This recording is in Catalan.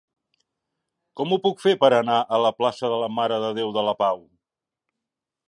Com ho puc fer per anar a la plaça de la Mare de Déu de la Pau?